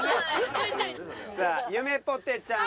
さあゆめぽてちゃん。